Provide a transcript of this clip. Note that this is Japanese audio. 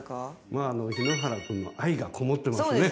まあ日野原君の愛がこもってますね。